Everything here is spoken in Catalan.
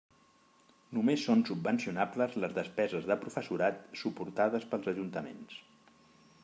Només són subvencionables les despeses de professorat suportades pels ajuntaments.